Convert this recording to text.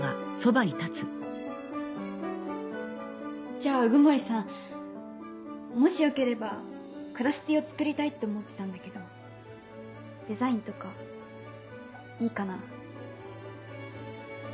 じゃあ鵜久森さんもしよければクラスＴを作りたいって思ってたんだけどデザインとかいいかな？